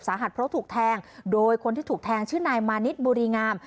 เพราะถูกแทงโดยคนที่ถูกแทงชื่อนายมานิดบุรีงาม